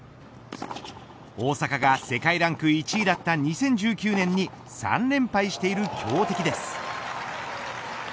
大坂が、世界ランク１位だった２０１９年に３連敗している強敵です。